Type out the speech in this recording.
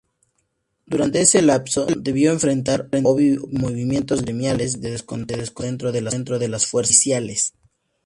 Durante ese lapso, debió enfrentar movimientos gremiales de descontento dentro de las fuerzas policiales.